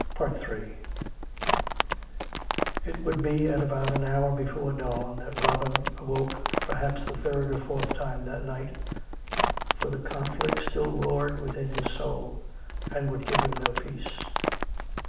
Ill It would be at about an hour before dawn that Robin awoke for perhaps the third or fourth time that night; for the conflict still roared within his soul and would give him no peace.